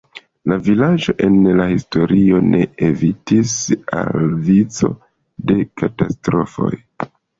La vilaĝo en la historio ne evitis al vico de katastrofoj.